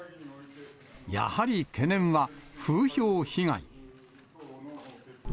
やはり懸念は、風評被害。